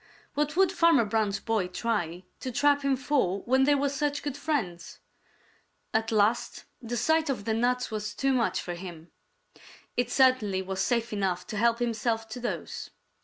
What would Farmer Brown's boy try to trap him for when they were such good friends? At last the sight of the nuts was too much for him. It certainly was safe enough to help himself to those.